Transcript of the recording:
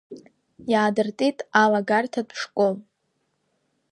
Иаадыртит алагарҭатә школ.